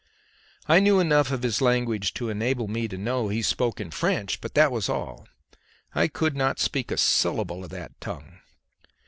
I knew enough of his language to enable me to know he spoke in French, but that was all. I could not speak a syllable of that tongue.